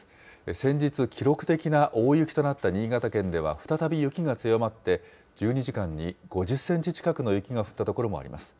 先日、記録的な大雪となった新潟県では、再び雪が強まって、１２時間に５０センチ近くの雪が降った所もあります。